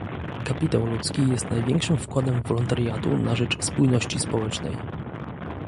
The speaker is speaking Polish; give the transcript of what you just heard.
Kapitał ludzki jest największym wkładem wolontariatu na rzecz spójności społecznej